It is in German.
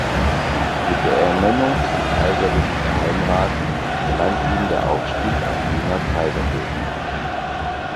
Mit der Ernennung zum kaiserlichen Geheimrat gelang ihm der Aufstieg am Wiener Kaiserhof.